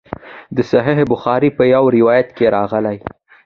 د صحیح بخاري په یوه روایت کې راغلي.